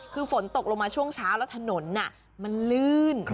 คือฝนตกลงมาช่วงเช้าแล้วถนนมันลื่น